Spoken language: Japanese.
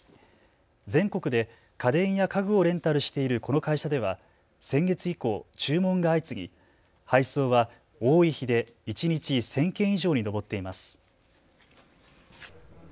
全国で家電や家具をレンタルしているこの会社では先月以降、注文が相次ぎ配送は多い日で一日１０００件以上に上っています。